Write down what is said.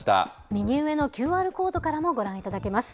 右上のＱＲコードからもご覧いただけます。